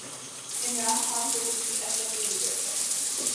عمران خان کواس کی اشدضرورت ہے۔